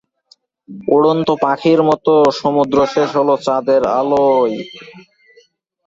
বছর কয়েক আগে আলিম চালু করা হয়েছিল কিন্তু বেতন না হওয়া পুনরায় দাখিল মাদ্রাসা হিসেবে নামকরণ করা হয়েছে।